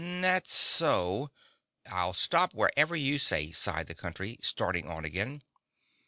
"That's so; I'll stop wherever you say," sighed the Country, starting on again.